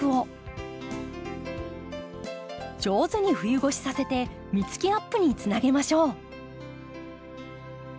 上手に冬越しさせて実つきアップにつなげましょう。